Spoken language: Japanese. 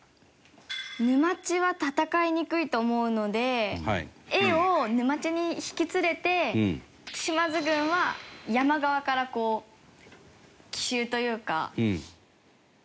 沼地は戦いにくいと思うのでＡを沼地に引き連れて島津軍は山側からこう奇襲というか。